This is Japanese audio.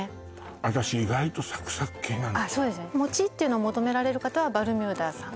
私以外とサクサク系なんですああそうですよねモチッていうの求められる方はバルミューダさん